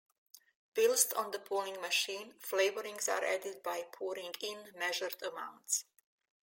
Whilst on the pulling machine, flavourings are added by pouring in measured amounts.